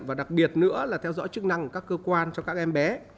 và đặc biệt nữa là theo dõi chức năng của các cơ quan cho các em bé